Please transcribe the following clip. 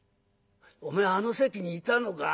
「おめえあの席にいたのか？